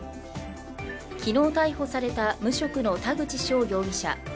昨日逮捕された無職の田口翔容疑者。